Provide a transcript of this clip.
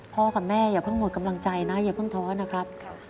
กับแม่อย่าเพิ่งหมดกำลังใจนะอย่าเพิ่งท้อนะครับ